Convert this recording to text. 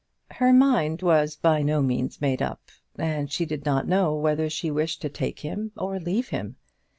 Her mind was by no means made up, and she did not know whether she wished to take him or to leave him.